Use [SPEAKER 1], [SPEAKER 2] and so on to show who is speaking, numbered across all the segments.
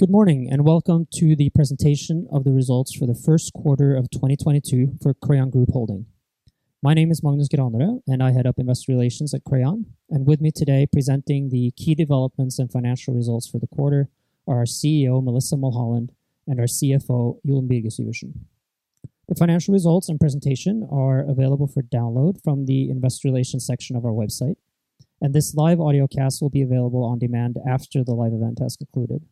[SPEAKER 1] Good morning, and welcome to the presentation of the results for the first quarter of 2022 for Crayon Group Holding. My name is Magnus Granerød, and I head up investor relations at Crayon. With me today presenting the key developments and financial results for the quarter are our CEO, Melissa Mulholland, and our CFO, Jon Birger Syvertsen. The financial results and presentation are available for download from the investor relations section of our website, and this live audio cast will be available on demand after the live event has concluded.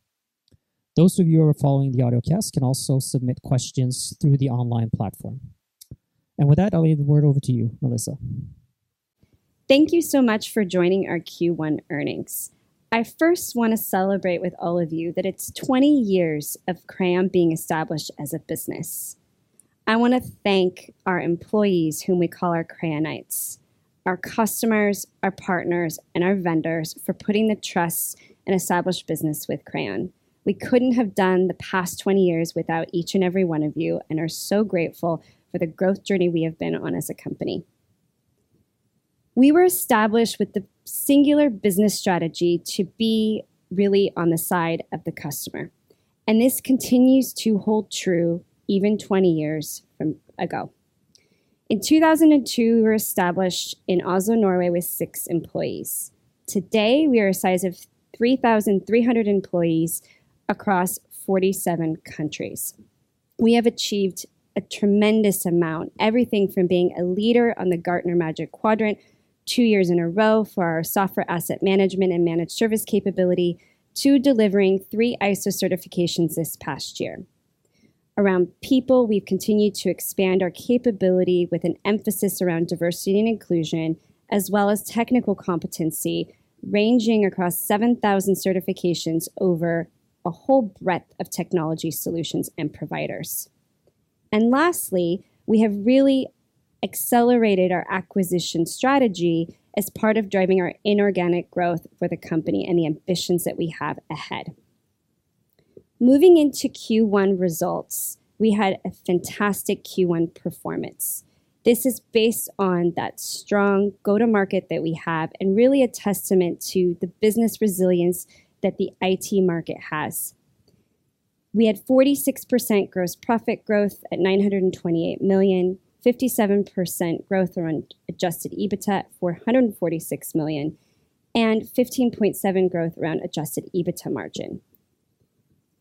[SPEAKER 1] Those of you who are following the audio cast can also submit questions through the online platform. With that, I'll leave the word over to you, Melissa.
[SPEAKER 2] Thank you so much for joining our Q1 earnings. I first wanna celebrate with all of you that it's 20 years of Crayon being established as a business. I wanna thank our employees, whom we call our Crayonites, our customers, our partners, and our vendors for putting the trust in established business with Crayon. We couldn't have done the past 20 years without each and every one of you and are so grateful for the growth journey we have been on as a company. We were established with the singular business strategy to be really on the side of the customer, and this continues to hold true even 20 years ago. In 2002, we were established in Oslo, Norway, with 6 employees. Today, we are a size of 3,300 employees across 47 countries. We have achieved a tremendous amount, everything from being a leader on the Gartner Magic Quadrant two years in a row for our software asset management and managed service capability to delivering three ISO certifications this past year. Around people, we've continued to expand our capability with an emphasis around diversity and inclusion as well as technical competency ranging across 7,000 certifications over a whole breadth of technology solutions and providers. Lastly, we have really accelerated our acquisition strategy as part of driving our inorganic growth for the company and the ambitions that we have ahead. Moving into Q1 results, we had a fantastic Q1 performance. This is based on that strong go-to-market that we have and really a testament to the business resilience that the IT market has. We had 46% gross profit growth at 928 million, 57% growth in adjusted EBITDA at 446 million, and 15.7% growth in adjusted EBITDA margin.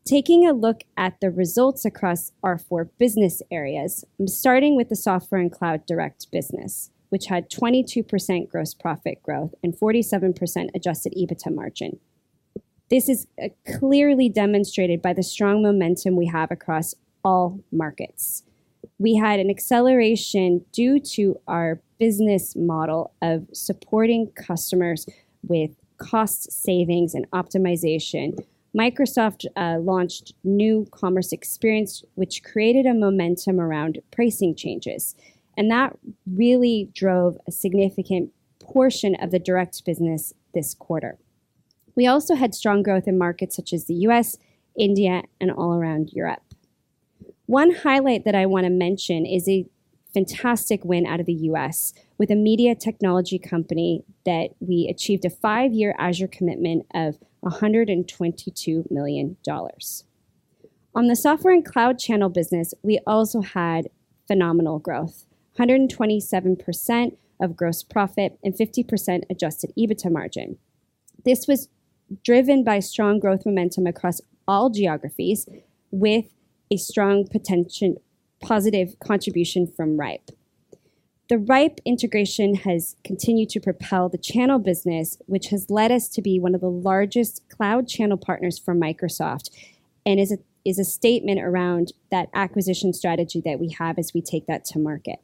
[SPEAKER 2] Taking a look at the results across our four business areas. I'm starting with the software and cloud direct business, which had 22% gross profit growth and 47% adjusted EBITDA margin. This is clearly demonstrated by the strong momentum we have across all markets. We had an acceleration due to our business model of supporting customers with cost savings and optimization. Microsoft launched New Commerce Experience, which created a momentum around pricing changes, and that really drove a significant portion of the direct business this quarter. We also had strong growth in markets such as the U.S., India, and all around Europe. One highlight that I wanna mention is a fantastic win out of the US with a media technology company that we achieved a five-year Azure commitment of $122 million. On the software and cloud channel business, we also had phenomenal growth, 127% of gross profit and 50% adjusted EBITDA margin. This was driven by strong growth momentum across all geographies with a strong positive contribution from rhipe. The rhipe integration has continued to propel the channel business, which has led us to be one of the largest cloud channel partners for Microsoft and is a statement around that acquisition strategy that we have as we take that to market.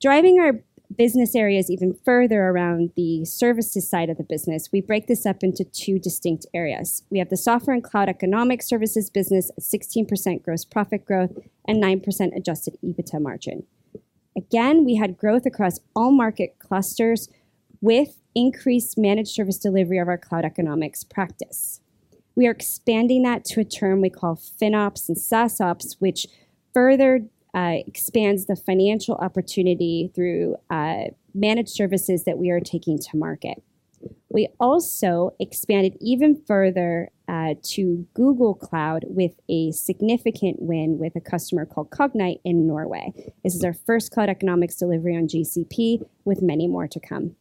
[SPEAKER 2] Driving our business areas even further around the services side of the business, we break this up into two distinct areas. We have the software and cloud economic services business, 16% gross profit growth, and 9% adjusted EBITDA margin. Again, we had growth across all market clusters with increased managed service delivery of our cloud economics practice. We are expanding that to a term we call FinOps and SaaSOps, which further expands the financial opportunity through managed services that we are taking to market. We also expanded even further to Google Cloud with a significant win with a customer called Cognite in Norway. This is our first cloud economics delivery on GCP, with many more to come.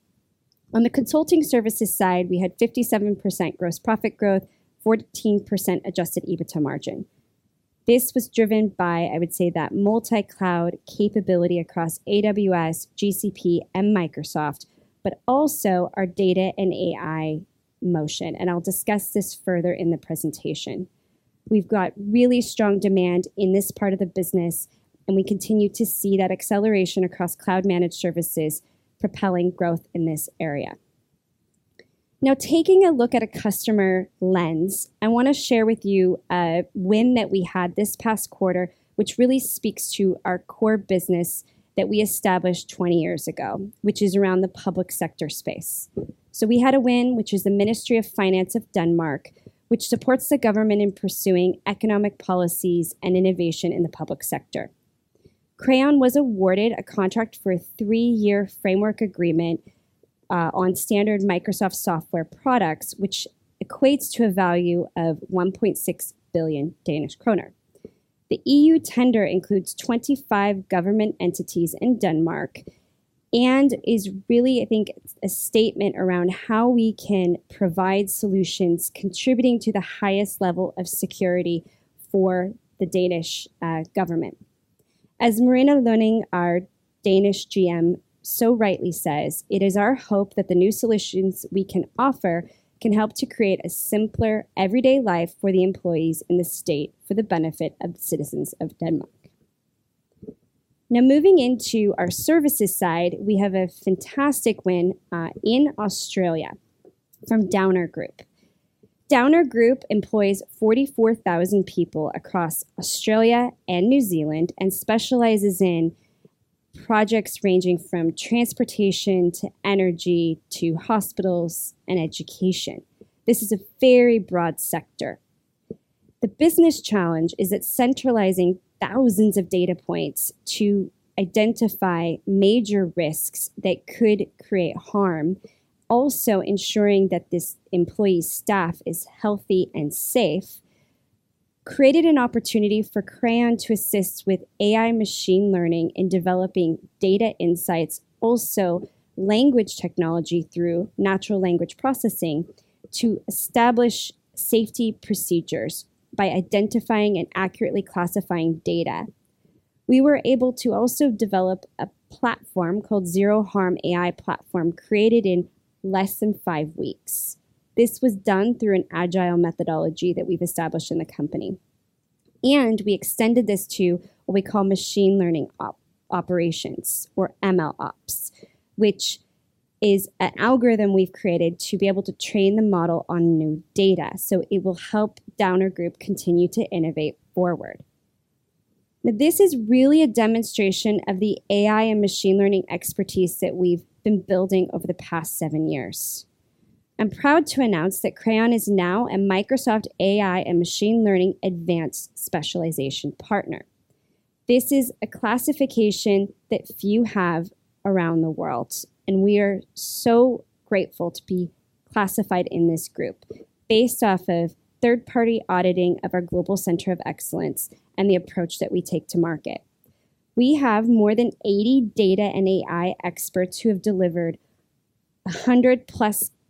[SPEAKER 2] On the consulting services side, we had 57% gross profit growth, 14% adjusted EBITDA margin. This was driven by, I would say, that multi-cloud capability across AWS, GCP, and Microsoft, but also our data and AI motion, and I'll discuss this further in the presentation. We've got really strong demand in this part of the business, and we continue to see that acceleration across cloud-managed services propelling growth in this area. Now taking a look at a customer lens, I wanna share with you a win that we had this past quarter which really speaks to our core business that we established twenty years ago, which is around the public sector space. We had a win, which is the Ministry of Finance of Denmark, which supports the government in pursuing economic policies and innovation in the public sector. Crayon was awarded a contract for a three-year framework agreement on standard Microsoft software products, which equates to a value of 1.6 billion Danish kroner. The EU tender includes 25 government entities in Denmark and is really, I think, a statement around how we can provide solutions contributing to the highest level of security for the Danish government. As Marina Lønning, our Danish GM, so rightly says, "It is our hope that the new solutions we can offer can help to create a simpler everyday life for the employees in the state for the benefit of the citizens of Denmark." Now, moving into our services side, we have a fantastic win in Australia from Downer Group. Downer Group employs 44,000 people across Australia and New Zealand and specializes in projects ranging from transportation to energy to hospitals and education. This is a very broad sector. The business challenge is that centralizing thousands of data points to identify major risks that could create harm, also ensuring that this employee staff is healthy and safe, created an opportunity for Crayon to assist with AI machine learning in developing data insights, also language technology through natural language processing to establish safety procedures by identifying and accurately classifying data. We were able to also develop a platform called Zero Harm AI platform, created in less than five weeks. This was done through an agile methodology that we've established in the company. We extended this to what we call machine learning operations or MLOps, which is an algorithm we've created to be able to train the model on new data, so it will help Downer Group continue to innovate forward. This is really a demonstration of the AI and machine learning expertise that we've been building over the past 7 years. I'm proud to announce that Crayon is now a Microsoft AI and Machine Learning Advanced Specialization Partner. This is a classification that few have around the world, and we are so grateful to be classified in this group based off of third-party auditing of our global center of excellence and the approach that we take to market. We have more than 80 data and AI experts who have delivered 100+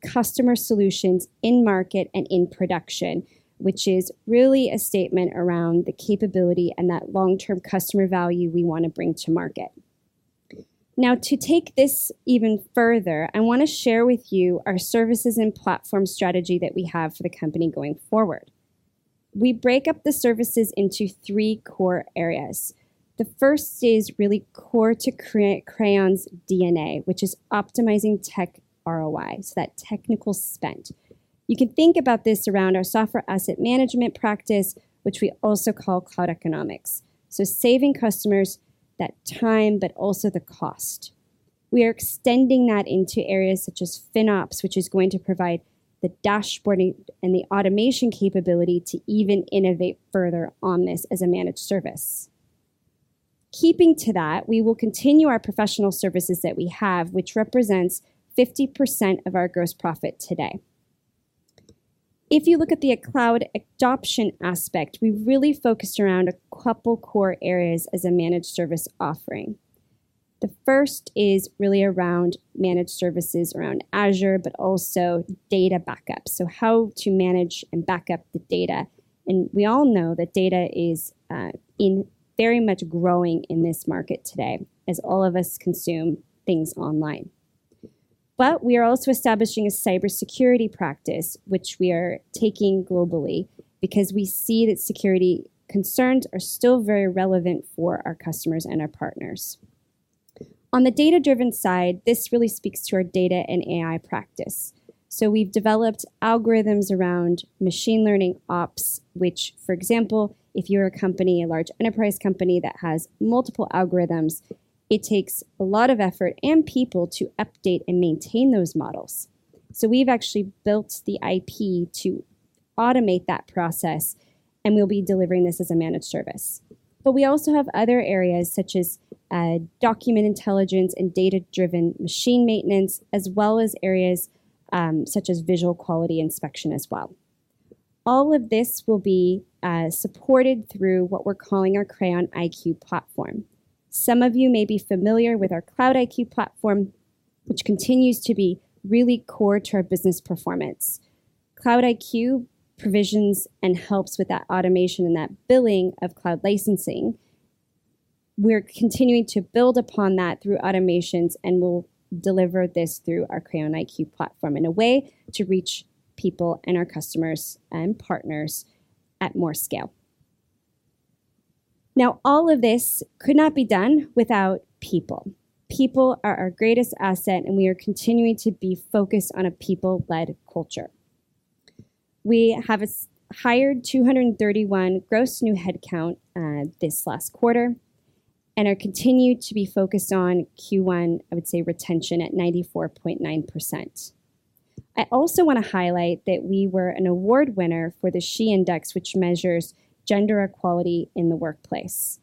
[SPEAKER 2] customer solutions in market and in production, which is really a statement around the capability and that long-term customer value we wanna bring to market. Now, to take this even further, I wanna share with you our services and platform strategy that we have for the company going forward. We break up the services into three core areas. The first is really core to Crayon's DNA, which is optimizing tech ROI, so that technical spend. You can think about this around our software asset management practice, which we also call cloud economics. Saving customers that time, but also the cost. We are extending that into areas such as FinOps, which is going to provide the dashboarding and the automation capability to even innovate further on this as a managed service. Keeping to that, we will continue our professional services that we have, which represents 50% of our gross profit today. If you look at the cloud adoption aspect, we've really focused around a couple core areas as a managed service offering. The first is really around managed services around Azure, but also data backup. How to manage and back up the data. We all know that data is very much growing in this market today as all of us consume things online. We are also establishing a cybersecurity practice, which we are taking globally because we see that security concerns are still very relevant for our customers and our partners. On the data-driven side, this really speaks to our data and AI practice. We've developed algorithms around machine learning ops, which, for example, if you're a company, a large enterprise company that has multiple algorithms, it takes a lot of effort and people to update and maintain those models. We've actually built the IP to automate that process, and we'll be delivering this as a managed service. We also have other areas such as document intelligence and data-driven machine maintenance, as well as areas such as visual quality inspection as well. All of this will be supported through what we're calling our Crayon IQ platform. Some of you may be familiar with our Cloud-iQ platform, which continues to be really core to our business performance. Cloud-iQ provisions and helps with that automation and that billing of cloud licensing. We're continuing to build upon that through automations, and we'll deliver this through our Crayon IQ platform in a way to reach people and our customers and partners at more scale. Now, all of this could not be done without people. People are our greatest asset, and we are continuing to be focused on a people-led culture. We have hired 231 gross new head count this last quarter and continue to be focused on Q1, I would say, retention at 94.9%. I also wanna highlight that we were an award winner for the SHE Index, which measures gender equality in the workplace.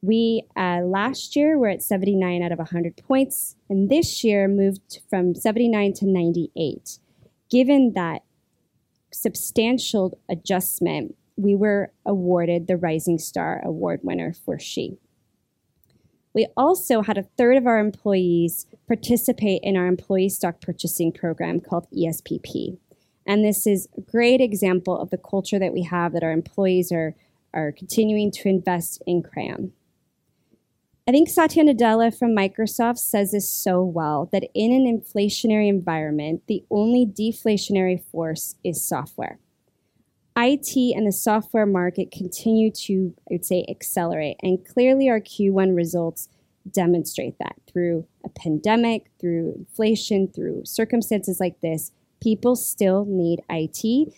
[SPEAKER 2] We last year were at 79 out of 100 points, and this year moved from 79 to 98. Given that substantial adjustment, we were awarded the Rising Star Award winner for SHE. We also had a third of our employees participate in our employee stock purchasing program called ESPP. This is a great example of the culture that we have that our employees are continuing to invest in Crayon. I think Satya Nadella from Microsoft says this so well, that in an inflationary environment, the only deflationary force is software. IT and the software market continue to, I would say, accelerate, and clearly our Q1 results demonstrate that. Through a pandemic, through inflation, through circumstances like this, people still need IT,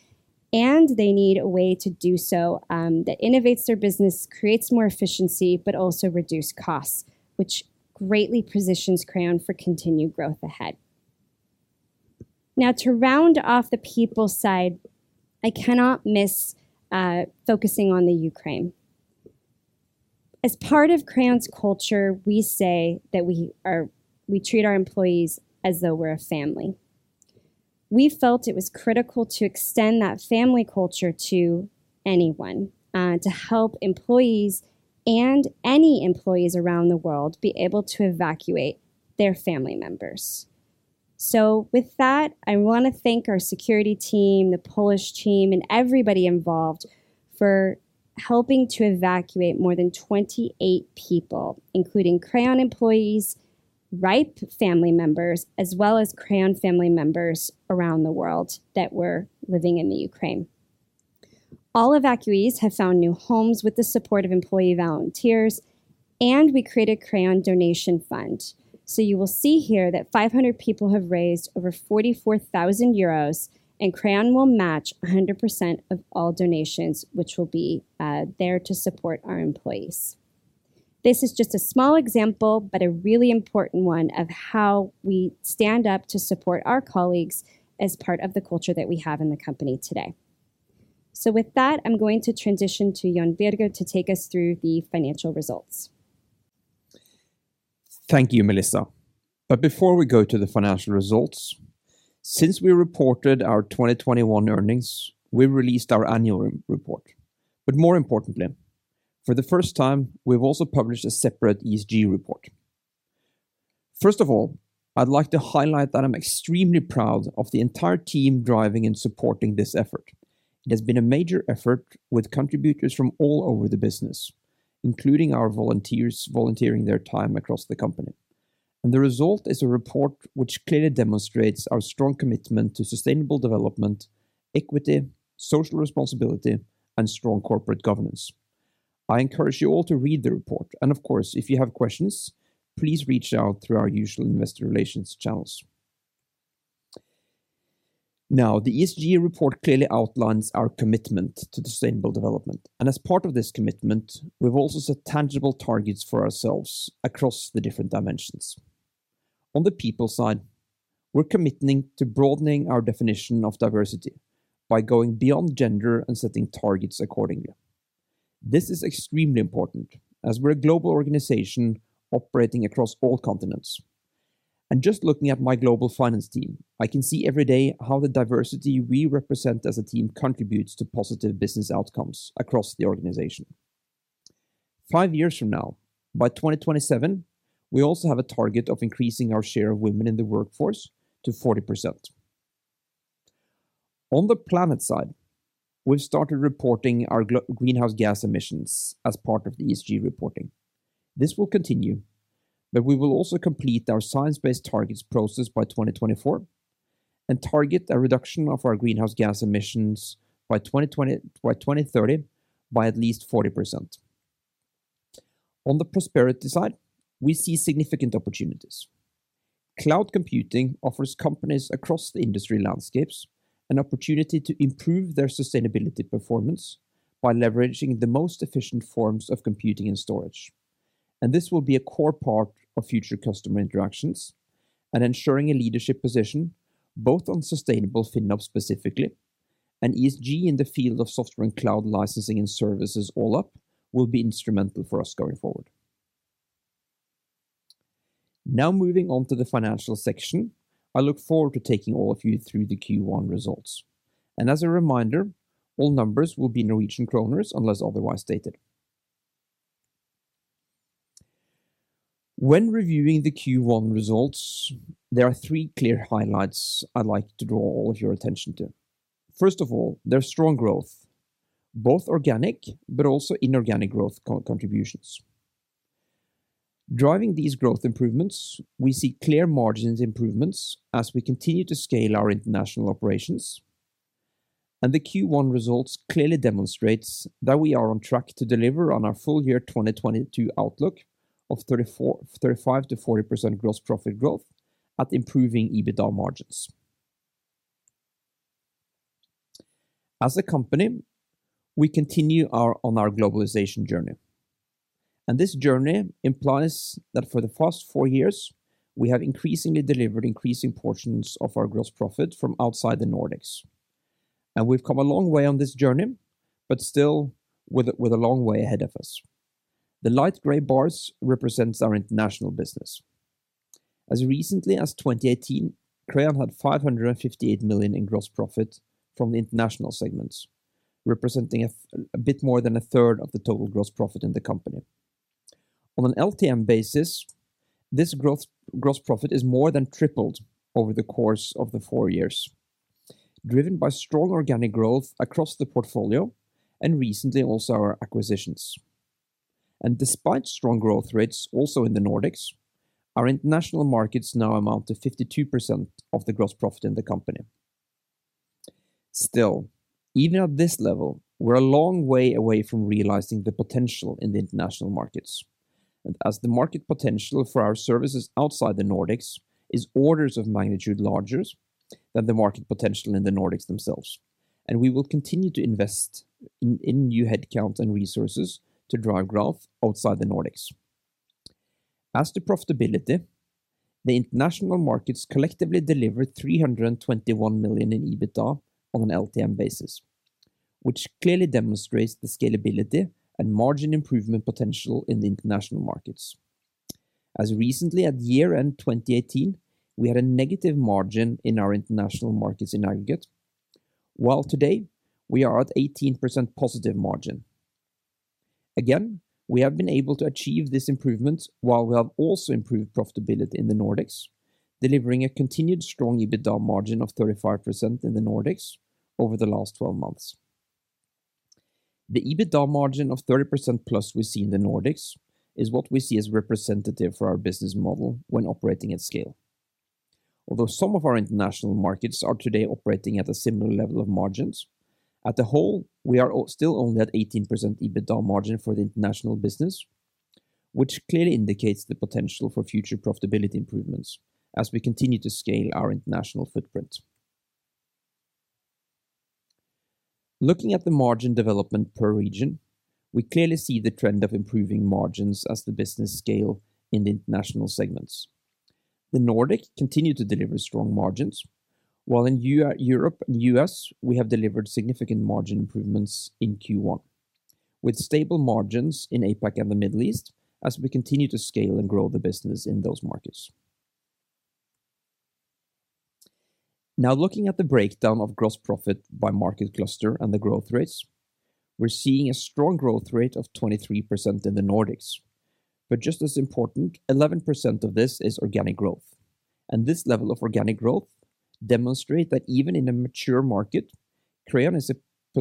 [SPEAKER 2] and they need a way to do so, that innovates their business, creates more efficiency, but also reduce costs, which greatly positions Crayon for continued growth ahead. Now, to round off the people side, I cannot miss, focusing on the Ukraine. As part of Crayon's culture, we say that we treat our employees as though we're a family. We felt it was critical to extend that family culture to anyone, to help employees and any employees around the world be able to evacuate their family members. With that, I wanna thank our security team, the Polish team, and everybody involved for helping to evacuate more than 28 people, including Crayon employees, rhipe family members, as well as Crayon family members around the world that were living in Ukraine. All evacuees have found new homes with the support of employee volunteers, and we created Crayon Donation Fund. You will see here that 500 people have raised over 44,000 euros, and Crayon will match 100% of all donations, which will be there to support our employees. This is just a small example, but a really important one of how we stand up to support our colleagues as part of the culture that we have in the company today. With that, I'm going to transition to Jon Birger to take us through the financial results.
[SPEAKER 3] Thank you, Melissa. Before we go to the financial results, since we reported our 2021 earnings, we released our annual report. More importantly, for the first time, we've also published a separate ESG report. First of all, I'd like to highlight that I'm extremely proud of the entire team driving and supporting this effort. It has been a major effort with contributors from all over the business, including our volunteers volunteering their time across the company. The result is a report which clearly demonstrates our strong commitment to sustainable development, equity, social responsibility, and strong corporate governance. I encourage you all to read the report. Of course, if you have questions, please reach out through our usual investor relations channels. Now, the ESG report clearly outlines our commitment to sustainable development. As part of this commitment, we've also set tangible targets for ourselves across the different dimensions. On the people side, we're committing to broadening our definition of diversity by going beyond gender and setting targets accordingly. This is extremely important as we're a global organization operating across all continents. Just looking at my global finance team, I can see every day how the diversity we represent as a team contributes to positive business outcomes across the organization. Five years from now, by 2027, we also have a target of increasing our share of women in the workforce to 40%. On the planet side, we've started reporting our greenhouse gas emissions as part of the ESG reporting. This will continue, but we will also complete our science-based targets process by 2024 and target a reduction of our greenhouse gas emissions by 2030 by at least 40%. On the prosperity side, we see significant opportunities. Cloud computing offers companies across the industry landscapes an opportunity to improve their sustainability performance by leveraging the most efficient forms of computing and storage. This will be a core part of future customer interactions and ensuring a leadership position both on sustainable FinOps specifically and ESG in the field of software and cloud licensing and services all up will be instrumental for us going forward. Now moving on to the financial section, I look forward to taking all of you through the Q1 results. As a reminder, all numbers will be Norwegian kroner unless otherwise stated. When reviewing the Q1 results, there are three clear highlights I'd like to draw all of your attention to. First of all, there's strong growth, both organic but also inorganic growth contributions. Driving these growth improvements, we see clear margins improvements as we continue to scale our international operations. The Q1 results clearly demonstrates that we are on track to deliver on our full year 2022 outlook of 35%-40% gross profit growth at improving EBITDA margins. As a company, we continue on our globalization journey. This journey implies that for the past four years, we have increasingly delivered increasing portions of our gross profit from outside the Nordics. We've come a long way on this journey, but still with a long way ahead of us. The light gray bars represents our international business. As recently as 2018, Crayon had 558 million in gross profit from the international segments, representing a bit more than a third of the total gross profit in the company. On an LTM basis, this gross profit is more than tripled over the course of the four years, driven by strong organic growth across the portfolio and recently also our acquisitions. Despite strong growth rates also in the Nordics, our international markets now amount to 52% of the gross profit in the company. Still, even at this level, we're a long way away from realizing the potential in the international markets. The market potential for our services outside the Nordics is orders of magnitude larger than the market potential in the Nordics themselves. We will continue to invest in new headcount and resources to drive growth outside the Nordics. As to profitability, the international markets collectively delivered 321 million in EBITDA on an LTM basis, which clearly demonstrates the scalability and margin improvement potential in the international markets. As recently as year-end 2018, we had a negative margin in our international markets in aggregate, while today we are at 18% positive margin. Again, we have been able to achieve this improvement while we have also improved profitability in the Nordics, delivering a continued strong EBITDA margin of 35% in the Nordics over the last 12 months. The EBITDA margin of 30% plus we see in the Nordics is what we see as representative for our business model when operating at scale. Although some of our international markets are today operating at a similar level of margins, as a whole, we are still only at 18% EBITDA margin for the international business, which clearly indicates the potential for future profitability improvements as we continue to scale our international footprint. Looking at the margin development per region, we clearly see the trend of improving margins as the business scales in the international segments. The Nordics continue to deliver strong margins, while in Europe and US, we have delivered significant margin improvements in Q1, with stable margins in APAC and the Middle East as we continue to scale and grow the business in those markets. Now looking at the breakdown of gross profit by market cluster and the growth rates, we're seeing a strong growth rate of 23% in the Nordics. Just as important, 11% of this is organic growth. This level of organic growth demonstrate that even in a mature market, Crayon is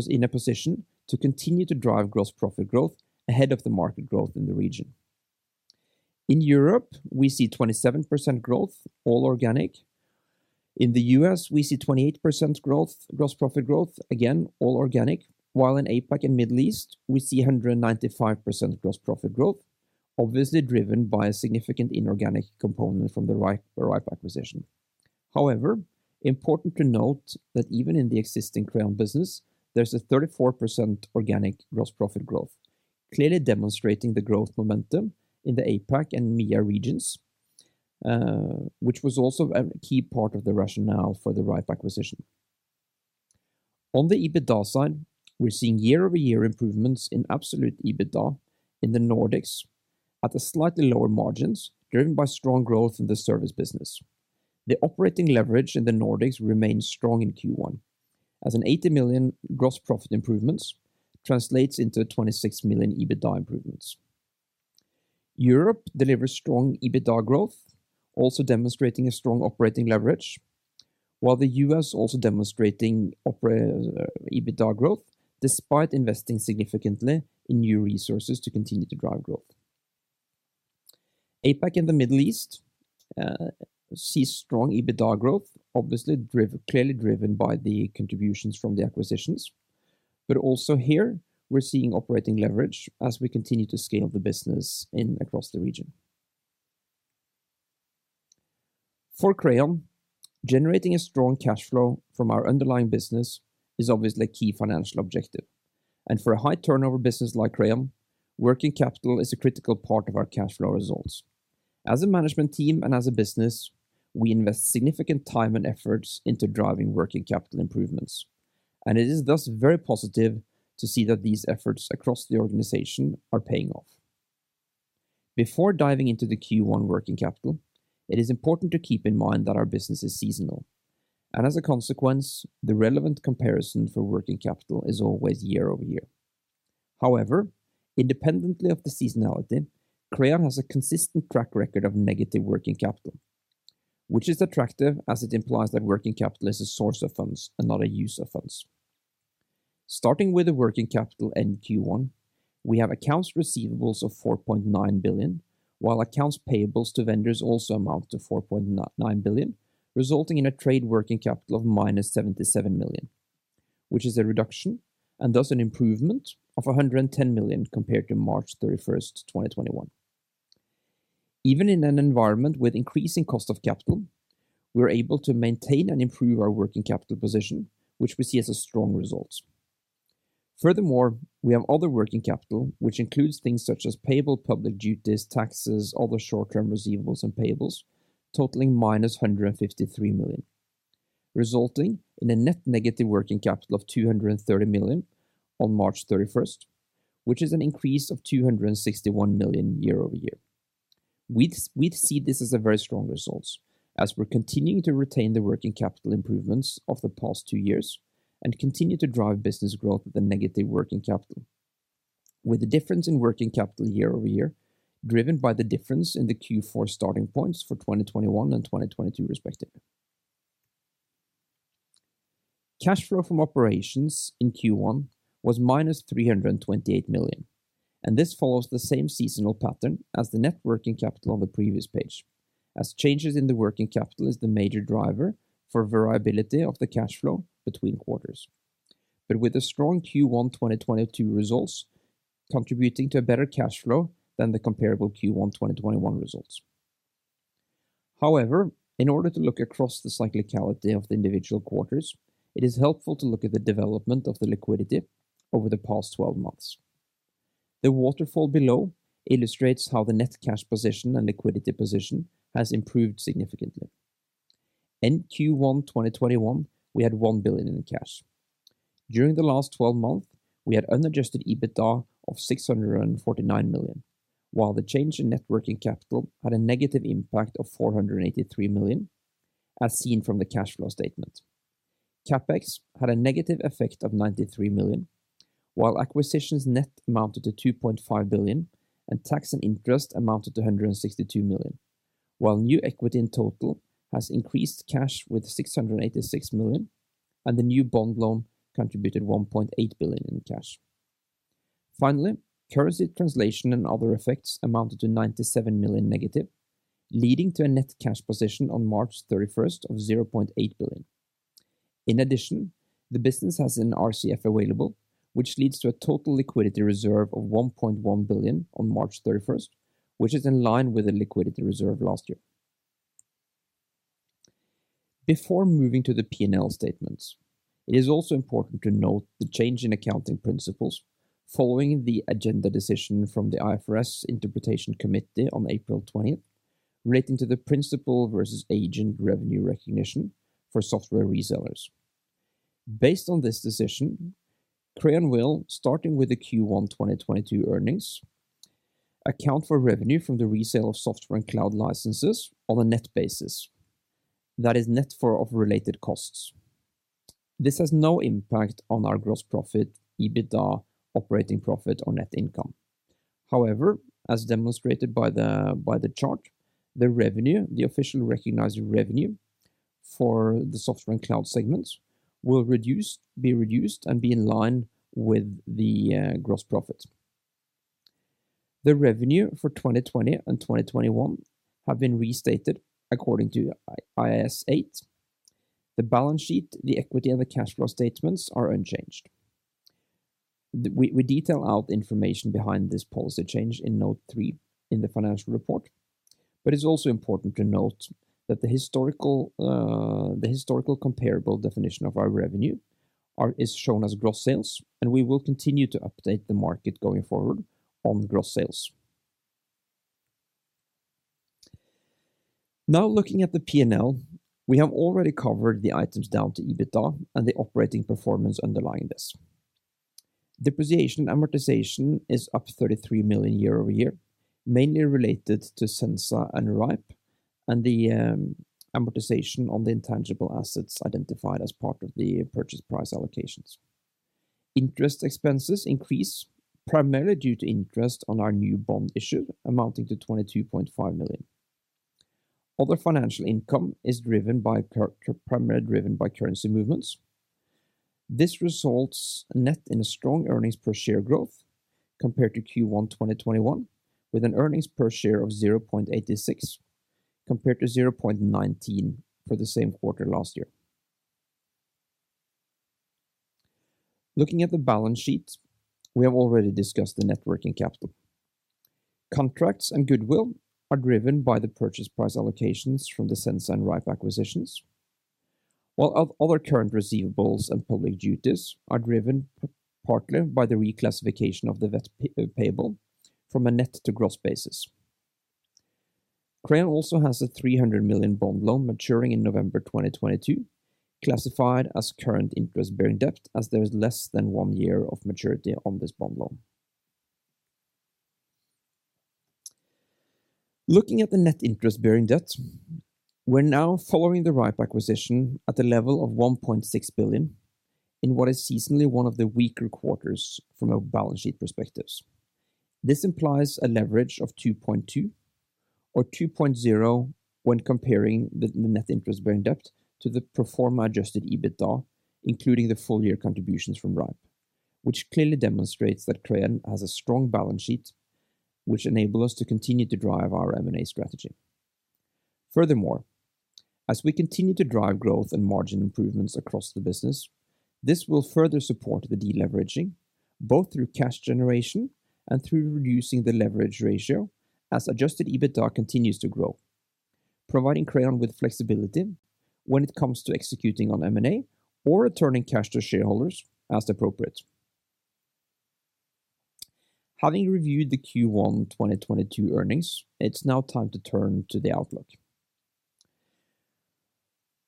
[SPEAKER 3] in a position to continue to drive gross profit growth ahead of the market growth in the region. In Europe, we see 27% growth, all organic. In the US, we see 28% growth, gross profit growth, again, all organic, while in APAC and Middle East, we see 195% gross profit growth, obviously driven by a significant inorganic component from the rhipe acquisition. However, important to note that even in the existing Crayon business, there's a 34% organic gross profit growth, clearly demonstrating the growth momentum in the APAC and MEA regions, which was also a key part of the rationale for the rhipe acquisition. On the EBITDA side, we're seeing year-over-year improvements in absolute EBITDA in the Nordics at a slightly lower margins driven by strong growth in the service business. The operating leverage in the Nordics remains strong in Q1 as an 80 million gross profit improvements translates into a 26 million EBITDA improvements. Europe delivers strong EBITDA growth, also demonstrating a strong operating leverage, while the US also demonstrating EBITDA growth, despite investing significantly in new resources to continue to drive growth. APAC and the Middle East see strong EBITDA growth, clearly driven by the contributions from the acquisitions. Also here we're seeing operating leverage as we continue to scale the business in and across the region. For Crayon, generating a strong cash flow from our underlying business is obviously a key financial objective, and for a high turnover business like Crayon, working capital is a critical part of our cash flow results. As a management team and as a business, we invest significant time and efforts into driving working capital improvements, and it is thus very positive to see that these efforts across the organization are paying off. Before diving into the Q1 working capital, it is important to keep in mind that our business is seasonal, and as a consequence, the relevant comparison for working capital is always year-over-year. However, independently of the seasonality, Crayon has a consistent track record of negative working capital, which is attractive as it implies that working capital is a source of funds and not a use of funds. Starting with the working capital in Q1, we have accounts receivables of 4.9 billion, while accounts payables to vendors also amount to 4.9 billion, resulting in a trade working capital of -77 million, which is a reduction and thus an improvement of 110 million compared to March 31, 2021. Even in an environment with increasing cost of capital, we are able to maintain and improve our working capital position, which we see as a strong result. Furthermore, we have other working capital, which includes things such as payable public duties, taxes, other short-term receivables and payables, totaling -153 million, resulting in a net negative working capital of -230 million on March 31, which is an increase of 261 million year-over-year. We see this as a very strong results as we're continuing to retain the working capital improvements of the past two years and continue to drive business growth with a negative working capital. With the difference in working capital year-over-year driven by the difference in the Q4 starting points for 2021 and 2022 respectively. Cash flow from operations in Q1 was -328 million, and this follows the same seasonal pattern as the net working capital on the previous page, as changes in the working capital is the major driver for variability of the cash flow between quarters. With a strong Q1 2022 results contributing to a better cash flow than the comparable Q1 2021 results. However, in order to look across the cyclicality of the individual quarters, it is helpful to look at the development of the liquidity over the past twelve months. The waterfall below illustrates how the net cash position and liquidity position has improved significantly. In Q1 2021, we had 1 billion in cash. During the last twelve months, we had unadjusted EBITDA of 649 million, while the change in net working capital had a negative impact of 483 million, as seen from the cash flow statement. CapEx had a negative effect of 93 million, while acquisitions net amounted to 2.5 billion and tax and interest amounted to 162 million. While new equity in total has increased cash with 686 million, and the new bond loan contributed 1.8 billion in cash. Finally, currency translation and other effects amounted to negative 97 million, leading to a net cash position on March thirty-first of 0.8 billion. In addition, the business has an RCF available, which leads to a total liquidity reserve of 1.1 billion on March thirty-first, which is in line with the liquidity reserve last year. Before moving to the P&L statements, it is also important to note the change in accounting principles following the agenda decision from the IFRS Interpretations Committee on April twentieth relating to the principal versus agent revenue recognition for software resellers. Based on this decision, Crayon will, starting with the Q1 2022 earnings, account for revenue from the resale of software and cloud licenses on a net basis, that is net of related costs. This has no impact on our gross profit, EBITDA, operating profit or net income. However, as demonstrated by the chart, the revenue, the official recognized revenue for the software and cloud segments will be reduced and be in line with the gross profit. The revenue for 2020 and 2021 have been restated according to IAS 8. The balance sheet, the equity, and the cash flow statements are unchanged. We detail out the information behind this policy change in note 3 in the financial report. It's also important to note that the historical comparable definition of our revenue is shown as gross sales, and we will continue to update the market going forward on the gross sales. Now looking at the P&L, we have already covered the items down to EBITDA and the operating performance underlying this. Depreciation and amortization is up 33 million year-over-year, mainly related to Sensa and rhipe and the amortization on the intangible assets identified as part of the purchase price allocations. Interest expenses increase primarily due to interest on our new bond issue amounting to 22.5 million. Other financial income is primarily driven by currency movements. This results net in a strong earnings per share growth compared to Q1 2021, with an earnings per share of 0.86 compared to 0.19 for the same quarter last year. Looking at the balance sheet, we have already discussed the net working capital. Contracts and goodwill are driven by the purchase price allocations from the Sensa and rhipe acquisitions, while other current receivables and public duties are driven partly by the reclassification of the payable from a net to gross basis. Crayon also has a 300 million bond loan maturing in November 2022, classified as current interest-bearing debt, as there is less than one year of maturity on this bond loan. Looking at the net interest-bearing debt, we're now following the rhipe acquisition at a level of 1.6 billion in what is seasonally one of the weaker quarters from a balance sheet perspective. This implies a leverage of 2.2 or 2.0 when comparing the net interest bearing debt to the pro forma adjusted EBITDA, including the full year contributions from rhipe, which clearly demonstrates that Crayon has a strong balance sheet, which enable us to continue to drive our M&A strategy. Furthermore, as we continue to drive growth and margin improvements across the business, this will further support the deleveraging, both through cash generation and through reducing the leverage ratio as adjusted EBITDA continues to grow, providing Crayon with flexibility when it comes to executing on M&A or returning cash to shareholders as appropriate. Having reviewed the Q1 2022 earnings, it's now time to turn to the outlook.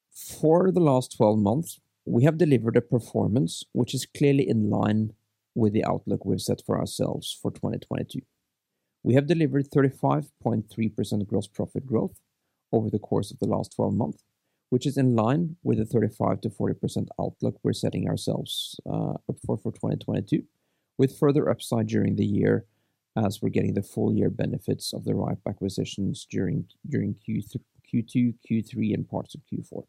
[SPEAKER 3] For the last 12 months, we have delivered a performance which is clearly in line with the outlook we've set for ourselves for 2022. We have delivered 35.3% gross profit growth over the course of the last 12 months, which is in line with the 35%-40% outlook we're setting ourselves up for 2022, with further upside during the year as we're getting the full year benefits of the rhipe acquisition during Q2, Q3, and parts of Q4.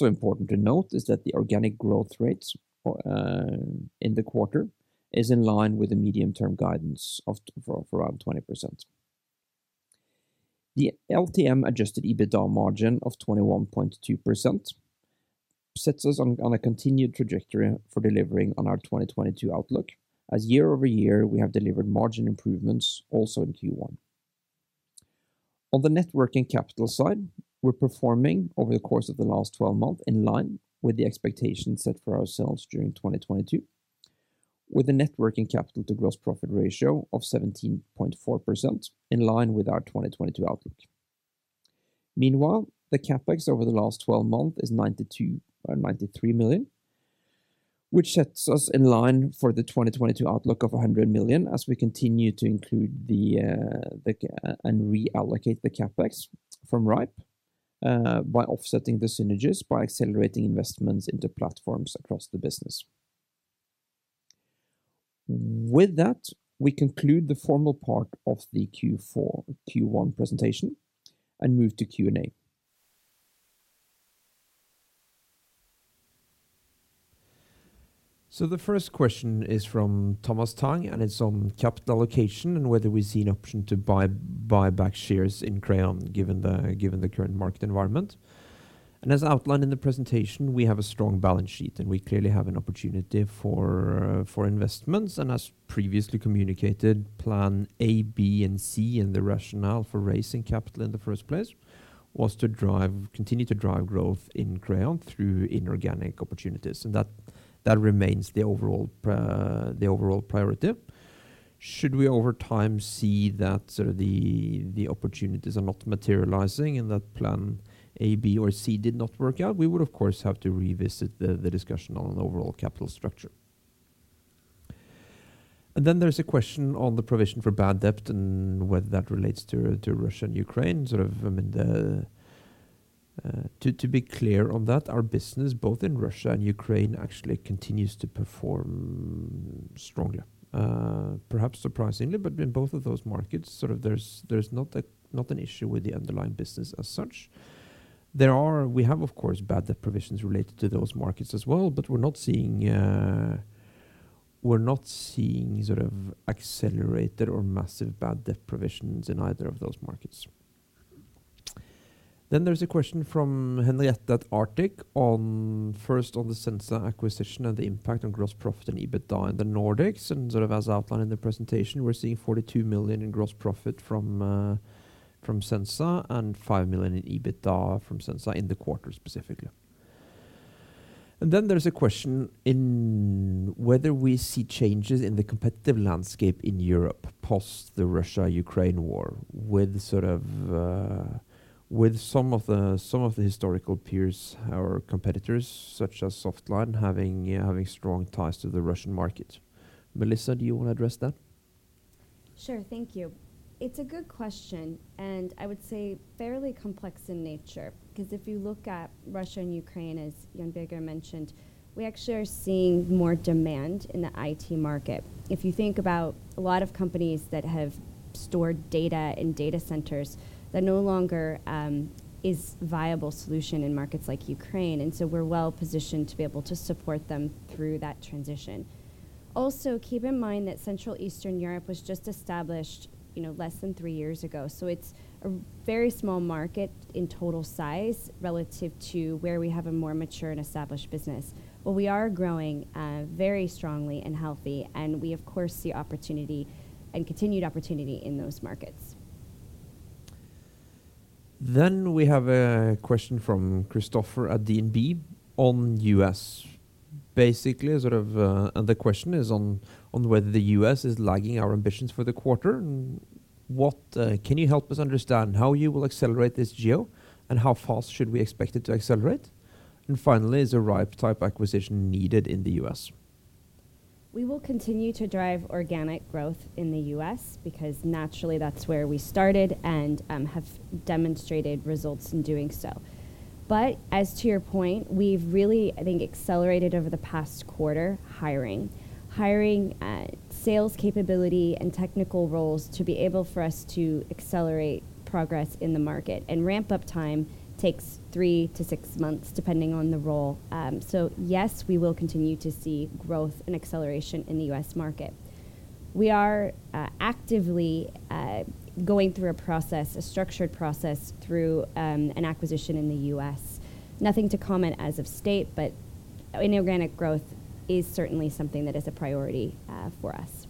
[SPEAKER 3] Important to note is that the organic growth rates in the quarter is in line with the medium-term guidance for around 20%. The LTM adjusted EBITDA margin of 21.2% sets us on a continued trajectory for delivering on our 2022 outlook, as year-over-year we have delivered margin improvements also in Q1. On the net working capital side, we're performing over the course of the last 12 months in line with the expectations set for ourselves during 2022, with a net working capital to gross profit ratio of 17.4% in line with our 2022 outlook. Meanwhile, the CapEx over the last 12 months is 92 million or 93 million, which sets us in line for the 2022 outlook of 100 million as we continue to reallocate the CapEx from rhipe by offsetting the synergies by accelerating investments into platforms across the business. With that, we conclude the formal part of the Q1 presentation and move to Q&A. The first question is from Thomas Tang, and it's on capital allocation and whether we see an option to buy back shares in Crayon given the current market environment. As outlined in the presentation, we have a strong balance sheet, and we clearly have an opportunity for investments. As previously communicated, plan A, B, and C, and the rationale for raising capital in the first place was to continue to drive growth in Crayon through inorganic opportunities. That remains the overall priority. Should we over time see that sort of the opportunities are not materializing and that plan A, B, or C did not work out, we would of course have to revisit the discussion on an overall capital structure. There's a question on the provision for bad debt and whether that relates to Russia and Ukraine. Sort of, I mean, to be clear on that, our business both in Russia and Ukraine actually continues to perform strongly. Perhaps surprisingly, but in both of those markets, sort of there's not an issue with the underlying business as such. We have of course bad debt provisions related to those markets as well, but we're not seeing sort of accelerated or massive bad debt provisions in either of those markets. There's a question from Henriette at Arctic on first on the Sensa acquisition and the impact on gross profit and EBITDA in the Nordics. Sort of as outlined in the presentation, we're seeing 42 million in gross profit from Sensa and 5 million in EBITDA from Sensa in the quarter specifically. Then there's a question in whether we see changes in the competitive landscape in Europe post the Russia-Ukraine war with sort of, with some of the historical peers or competitors such as Softline having strong ties to the Russian market. Melissa, do you wanna address that?
[SPEAKER 2] Sure. Thank you. It's a good question, and I would say fairly complex in nature, because if you look at Russia and Ukraine, as Jon Birger mentioned, we actually are seeing more demand in the IT market. If you think about a lot of companies that have stored data in data centers, that no longer is viable solution in markets like Ukraine, and so we're well-positioned to be able to support them through that transition. Also, keep in mind that Central Eastern Europe was just established, you know, less than three years ago, so it's a very small market in total size relative to where we have a more mature and established business. But we are growing very strongly and healthy, and we of course see opportunity and continued opportunity in those markets.
[SPEAKER 3] We have a question from Christopher at DNB on U.S. Basically, sort of. The question is on whether the U.S. is lagging our ambitions for the quarter, and what. Can you help us understand how you will accelerate this geo, and how fast should we expect it to accelerate? Finally, is a rhipe-type acquisition needed in the U.S.?
[SPEAKER 2] We will continue to drive organic growth in the US because naturally that's where we started and have demonstrated results in doing so. As to your point, we've really, I think, accelerated over the past quarter hiring sales capability and technical roles to be able for us to accelerate progress in the market. Ramp-up time takes three to six months, depending on the role. Yes, we will continue to see growth and acceleration in the US market. We are actively going through a process, a structured process through an acquisition in the US. Nothing to comment at this stage, but inorganic growth is certainly something that is a priority for us.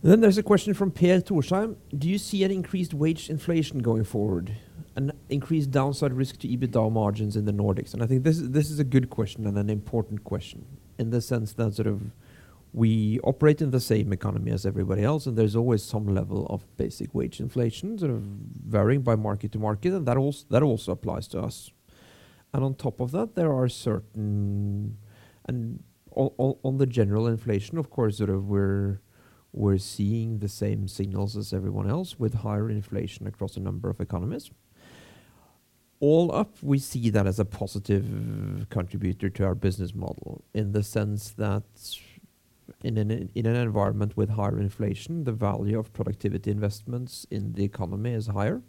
[SPEAKER 3] There's a question from Pierre Torsheim. Do you see an increased wage inflation going forward? An increased downside risk to EBITDA margins in the Nordics? I think this is a good question and an important question in the sense that sort of we operate in the same economy as everybody else, and there's always some level of basic wage inflation, sort of varying by market to market, and that also applies to us. On top of that, on the general inflation, of course, sort of we're seeing the same signals as everyone else with higher inflation across a number of economies. All up, we see that as a positive contributor to our business model in the sense that in an environment with higher inflation, the value of productivity investments in the economy is higher.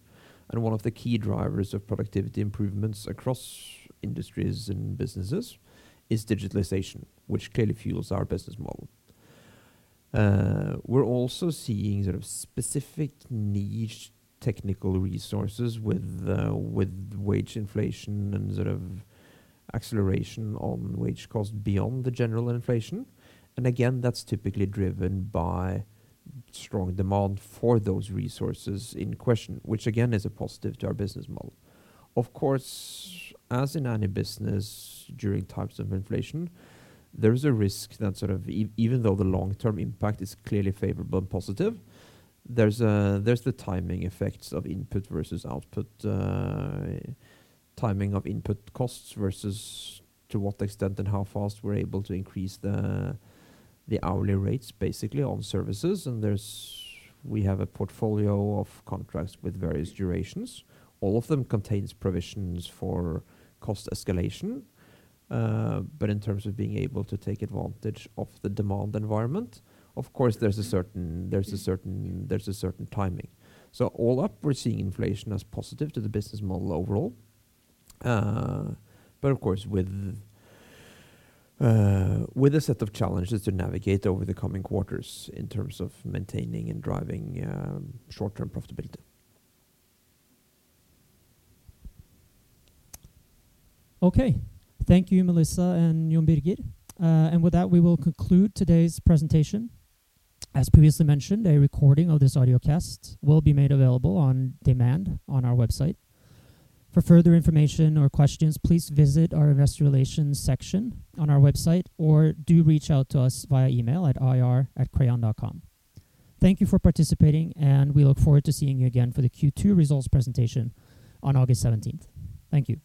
[SPEAKER 3] One of the key drivers of productivity improvements across industries and businesses is digitalization, which clearly fuels our business model. We're also seeing sort of specific niche technical resources with wage inflation and sort of acceleration on wage costs beyond the general inflation. Again, that's typically driven by strong demand for those resources in question, which again, is a positive to our business model. Of course, as in any business during times of inflation, there is a risk that even though the long-term impact is clearly favorable and positive, there's the timing effects of input versus output, timing of input costs versus to what extent and how fast we're able to increase the hourly rates basically on services. We have a portfolio of contracts with various durations. All of them contain provisions for cost escalation. In terms of being able to take advantage of the demand environment, of course, there's a certain timing. All up, we're seeing inflation as positive to the business model overall. Of course with a set of challenges to navigate over the coming quarters in terms of maintaining and driving short-term profitability.
[SPEAKER 1] Okay. Thank you, Melissa and Jon Birger. With that, we will conclude today's presentation. As previously mentioned, a recording of this audiocast will be made available on demand on our website. For further information or questions, please visit our investor relations section on our website or do reach out to us via email at ir@crayon.com. Thank you for participating, and we look forward to seeing you again for the Q2 results presentation on August seventeenth. Thank you.